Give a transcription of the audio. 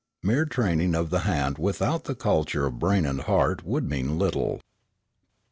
Mere training of the hand without the culture of brain and heart would mean little.